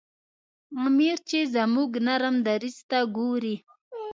امیر چې زموږ نرم دریځ ته ګوري.